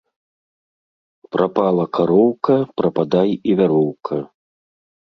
Прапала кароўка, прападай і вяроўка